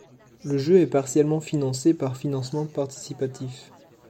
Le jeu est partiellement financé par financement participatif.